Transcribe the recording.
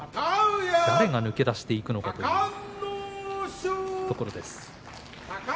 誰が抜け出していくのか楽しみです。